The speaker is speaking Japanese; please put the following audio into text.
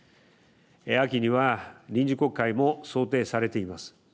秋には、臨時国会も想定されています。